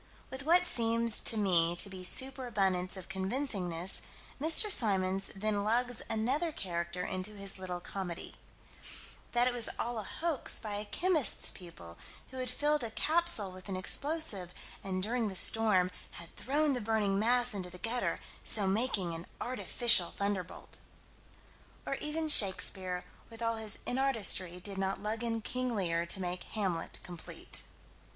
With what seems to me to be super abundance of convincingness, Mr. Symons then lugs another character into his little comedy: That it was all a hoax by a chemist's pupil, who had filled a capsule with an explosive, and "during the storm had thrown the burning mass into the gutter, so making an artificial thunderbolt." Or even Shakespeare, with all his inartistry, did not lug in King Lear to make Hamlet complete.